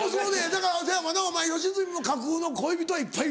だからそやもんなお前吉住も架空の恋人いっぱいいるよな。